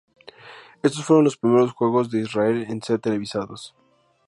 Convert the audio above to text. Estos fueron los primeros juegos de Israel en ser televisados.